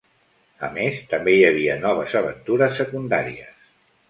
A més, també hi havia noves aventures secundàries.